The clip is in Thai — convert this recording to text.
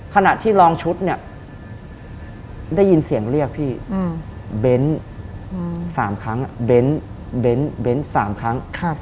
ขณะที่รองชุดเนี่ยได้ยินเสียงเรียกพี่เบนซ์สามครั้งเบนซ์เบนซ์เบนซ์สามครั้ง